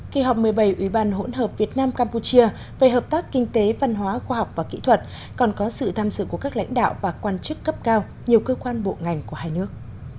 kỳ họp một mươi bảy ủy ban hỗn hợp việt nam campuchia về hợp tác kinh tế văn hóa khoa học và kỹ thuật còn có sự tham dự của các lãnh đạo và quan chức cấp cao nhiều cơ quan bộ ngành của hai nước